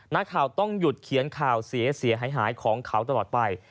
นักข่าวต้องหยุดเขียนข่าวเสียหายของเขาตลอดไป